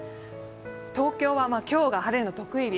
東京は今日が晴れの特異日。